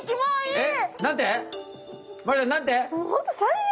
えっ！？